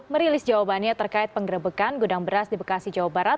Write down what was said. merilis jawabannya terkait penggerebekan gudang beras di bekasi jawa barat